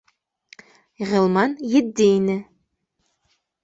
— Ғилман етди ине